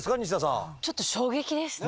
ちょっと衝撃ですね。